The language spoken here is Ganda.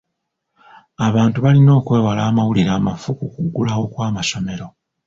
Abantu balina okwewala amawulire amafu ku kuggulawo kw'amasomero.